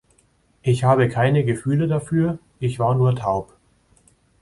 Ich habe keine Gefühle dafür, ich war nur taub.